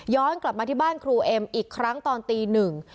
กลับมาที่บ้านครูเอ็มอีกครั้งตอนตีหนึ่ง